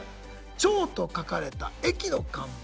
「ちょう」と書かれた駅の看板。